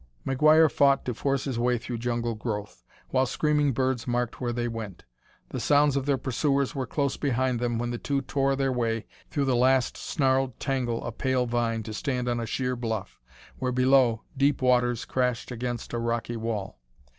McGuire fought to force his way through jungle growth, while screaming birds marked where they went. The sounds of their pursuers were close behind them when the two tore their way through the last snarled tangle of pale vine to stand on a sheer bluff, where, below, deep waters crashed against a rocky wall.